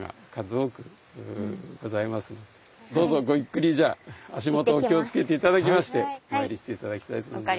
どうぞごゆっくりじゃあ足元お気を付けて頂きましてお参りして頂きたいと思います。